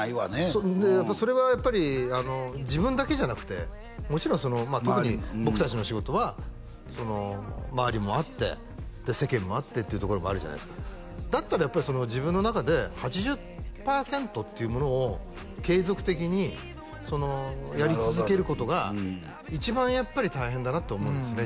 そうでそれはやっぱり自分だけじゃなくてもちろん特に僕達の仕事は周りもあって世間もあってっていうところもあるじゃないですかだったらやっぱり自分の中で８０パーセントっていうものを継続的にやり続けることが一番やっぱり大変だなって思うんですね